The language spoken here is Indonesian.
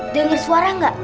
dengar suara gak